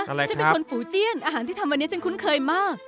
ฉันเป็นคนฝูเจียนอาหารที่ทำวันนี้ฉันคุ้นเคยมาก